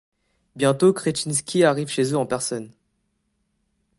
Bientôt Kretchinski arrive chez eux en personne.